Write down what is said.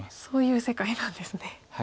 そういう世界なんですね。